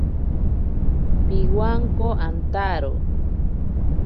Pibwanko antaro.